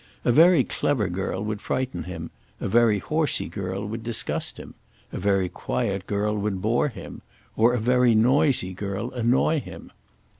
A very clever girl would frighten him; a very horsey girl would disgust him; a very quiet girl would bore him; or a very noisy girl annoy him.